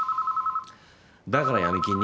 ☎だから闇金に？